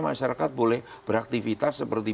masyarakat boleh beraktifitas seperti